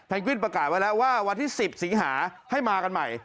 วินประกาศไว้แล้วว่าวันที่๑๐สิงหาให้มากันใหม่